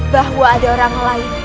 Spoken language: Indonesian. bahwa ada orang lain